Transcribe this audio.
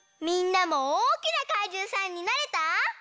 みんなもおおきなかいじゅうさんになれた？